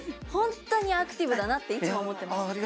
本当にアクティブだなっていつも思ってます。